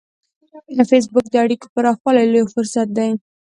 فېسبوک د اړیکو پراخولو لوی فرصت دی